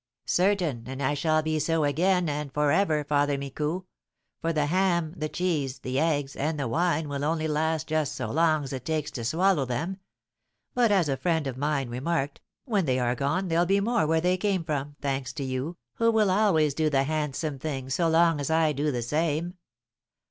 "Certain, and I shall be so again, and for ever, Father Micou; for the ham, the cheese, the eggs, and the wine will only last just so long as it takes to swallow them; but, as a friend of mine remarked, when they are gone there'll be more where they came from, thanks to you, who will always do the handsome thing so long as I do the same."